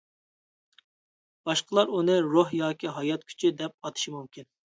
باشقىلار ئۇنى روھ ياكى ھايات كۈچى، دەپ ئاتىشى مۇمكىن.